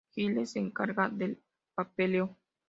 Giles se encarga del papeleo.